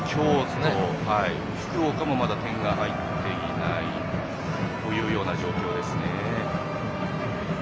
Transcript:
福岡もまだ点が入っていないという状況ですね。